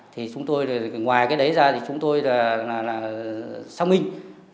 thì chúng tôi là ngoài cái đấy ra thì chúng tôi là xong mình